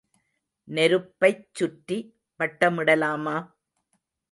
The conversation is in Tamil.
நெருப்பைச் சுற்றி வட்டமிடலாமா?